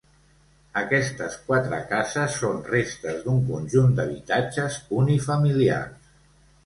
Aquestes quatre cases són restes d'un conjunt d'habitatges unifamiliars.